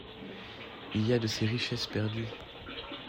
Il y a de ces richesses perdues.